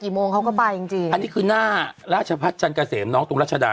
กี่โมงเขาก็ไปจริงอันนี้คือหน้าราชพัทรจันทร์กาเสมน้องตรงรัชดา